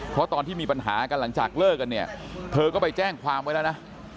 เพราะตอนที่มีปัญหากันหลังจากเลิกกันเนี่ยเธอก็ไปแจ้งความไว้แล้วนะ